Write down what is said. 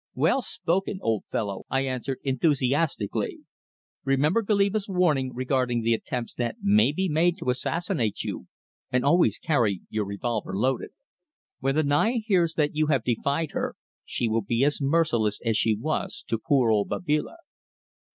"Well spoken, old fellow," I answered, enthusiastically. "Remember Goliba's warning regarding the attempts that may be made to assassinate you, and always carry your revolver loaded. When the Naya hears that you have defied her she will be as merciless as she was to poor old Babila."